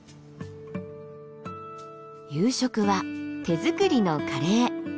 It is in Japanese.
夕食は手作りのカレー。